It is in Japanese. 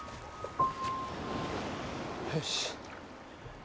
よし。